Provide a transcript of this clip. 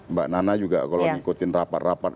mbak nana juga kalau ngikutin rapat rapat